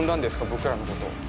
僕らのことを。